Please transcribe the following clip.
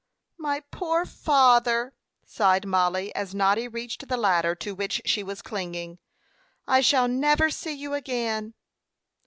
"My poor father!" sighed Mollie, as Noddy reached the ladder to which she was clinging; "I shall never see you again."